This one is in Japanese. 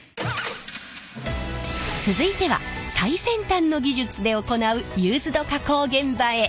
続いては最先端の技術で行うユーズド加工現場へ。